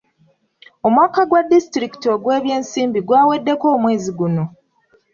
Omwaka gwa disitulikiti ogw'ebyensimbi gwaweddeko omwezi guno.